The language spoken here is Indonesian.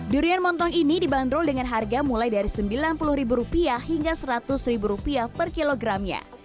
durian montong ini dibanderol dengan harga mulai dari sembilan puluh ribu rupiah hingga seratus ribu rupiah per kilogramnya